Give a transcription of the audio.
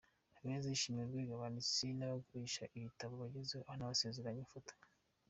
Habineza yishimiye urwego abanditsi n’abagurisha ibitabo bagezeho anabasezeranya ubufatanye.